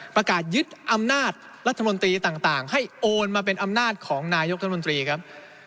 ประกาศยึดอำนาจรัฐมนตรีต่างให้โอนมาเป็นอำนาจของนายกรัฐมนตรีครับ